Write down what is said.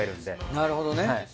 なるほどね。